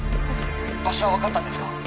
場所は分かったんですか